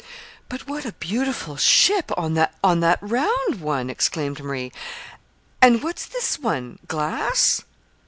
"But what a beautiful ship on that round one!" exclaimed Marie. "And what's this one? glass?"